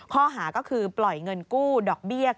ข้อหาก็คือปล่อยเงินกู้ดอกเบี้ย